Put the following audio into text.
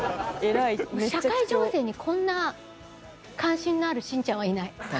社会情勢にこんな関心のあるしんちゃんはいない。